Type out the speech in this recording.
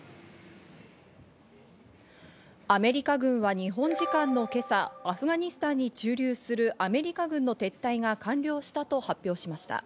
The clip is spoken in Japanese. アメリカ軍は日本時間の今朝、アフガニスタンに駐留するアメリカ軍の撤退が完了したと発表しました。